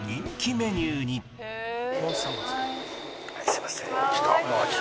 すいません。